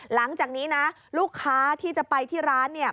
หลังจากนี้นะลูกค้าที่จะไปที่ร้านเนี่ย